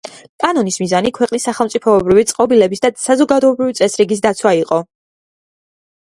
კანონის მიზანი ქვეყნის სახელმწიფოებრივი წყობილების და საზოგადოებრივი წესრიგის დაცვა იყო.